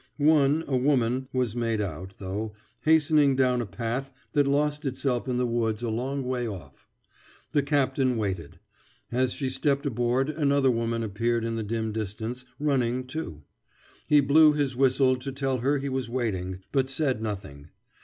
One, a woman, was made out, though, hastening down a path that lost itself in the woods a long way off. The captain waited. As she stepped aboard another woman appeared in the dim distance, running, too. He blew his whistle to tell her he was waiting, but said nothing.